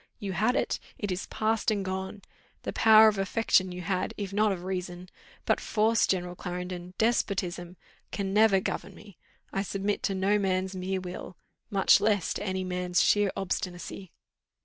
You had it. It is past and gone. The power of affection you had, if not of reason; but force, General Clarendon, despotism, can never govern me. I submit to no man's mere will, much less to any man's sheer obstinacy."